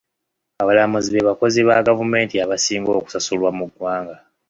Abalamuzi be bakozi ba gavumenti abasinga okusasulwa mu ggwanga.